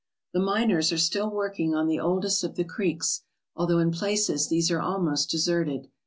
The miners are still working on the oldest of the creeks, although in places these are almost deserted.